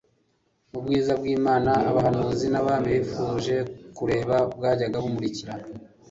Ubwiza ¬bw'Imana, abahanuzi n'abami bifuje kureba bwajyaga bumurikira